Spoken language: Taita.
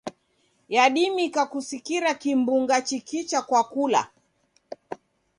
Yadimika kusikira kimbunga chikicha kwa kula.